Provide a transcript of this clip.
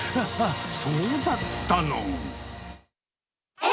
そうだったの。